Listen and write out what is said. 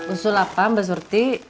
usul apa mbak surti